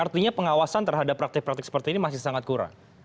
artinya pengawasan terhadap praktik praktik seperti ini masih sangat kurang